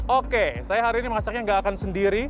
oke saya hari ini masaknya nggak akan sendiri